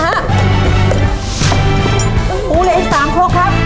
ตามภูเลยอีก๓ครบครับ